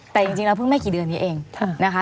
แต่จริงแล้วเพิ่งไม่กี่เดือนนี้เองนะคะ